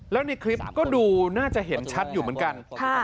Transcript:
แล้วในคลิปก็ดูน่าจะเห็นชัดอยู่เหมือนกัน